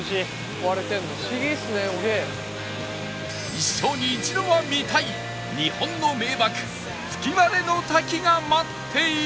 一生に一度は見たい日本の名瀑吹割の滝が待っている！